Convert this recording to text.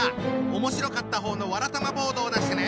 面白かった方のわらたまボードを出してね。